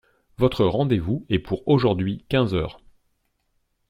Votre rendez-vous est pour aujourd’hui quinze heures.